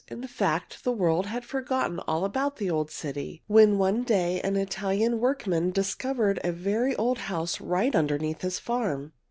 In fact, the world had forgotten all about the old city, when one day an Italian workman discovered a very old house right underneath his farm.